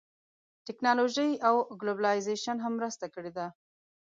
ټیکنالوژۍ او ګلوبلایزېشن هم مرسته کړې ده